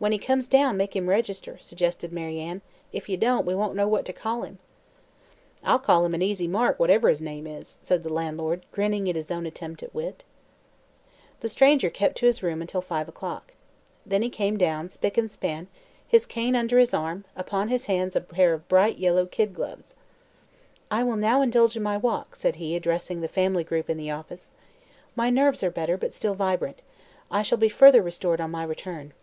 "When he comes down, make him register," suggested Mary Ann. "If ye don't, we won't know what ter call him." "I'll call him an easy mark, whatever his name is," said the landlord, grinning at his own attempt at wit. The stranger kept his room until five o'clock. Then he came down, spick and span, his cane under his arm, upon his hands a pair of bright yellow kid gloves. "I will now indulge in my walk," said he, addressing the family group in the office. "My nerves are better, but still vibrant. I shall be further restored on my return."